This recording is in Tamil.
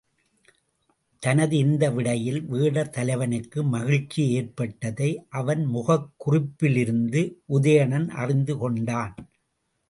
தனது இந்த விடையில் வேடர் தலைவனுக்கு மகிழ்ச்சி ஏற்பட்டதை அவன் முகக் குறிப்பிலிருந்து உதயணன் அறிந்து கொண்டான்.